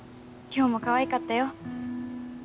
今日もかわいかったよ